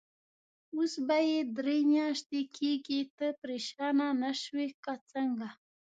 اوس به یې درې میاشتې کېږي، ته پرېشانه نه شوې که څنګه؟